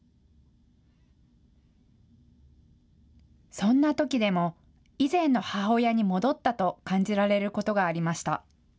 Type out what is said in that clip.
そんなときでも以前の母親に戻ったと感じられることがありました。